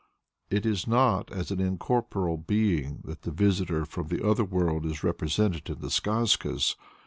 It is not as an incorporeal being that the visitor from the other world is represented in the Skazkas.